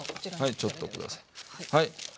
ちょっとくださいはい。